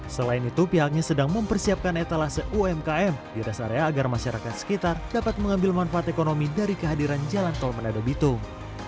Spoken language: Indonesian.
selain itu pihaknya sedang mempersiapkan etalase umkm di rest area agar masyarakat sekitar dapat mengambil manfaat ekonomi dari kehadiran jalan tol menado bitung